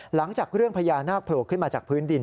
หลังจากเรื่องพญานาคโผล่ขึ้นมาจากพื้นดิน